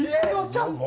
ちゃんと。